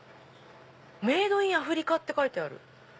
メイドインアフリカって書いてある。